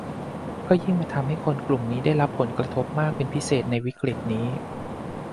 ก็ยิ่งทำให้คนกลุ่มนี้ได้รับผลกระทบมากเป็นพิเศษในวิกฤตนี้